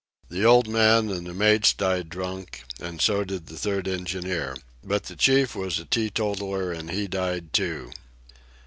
The old man and the mates died drunk, and so did the third engineer. But the chief was a teetotaller, and he died, too."